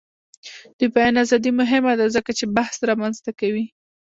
د بیان ازادي مهمه ده ځکه چې بحث رامنځته کوي.